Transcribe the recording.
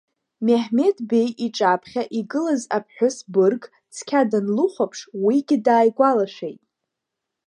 Меҳмеҭ Беи иҿаԥхьа игылаз аԥҳәыс бырг цқьа данлыхәаԥш уигьы дааигәалашәеит.